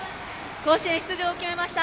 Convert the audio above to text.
甲子園出場を決めました